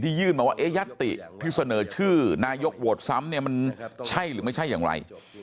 ยื่นมาว่ายัตติที่เสนอชื่อนายกโหวตซ้ำเนี่ยมันใช่หรือไม่ใช่อย่างไร